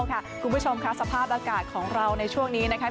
คุณผู้ชมค่ะสภาพอากาศของเราในช่วงนี้นะคะ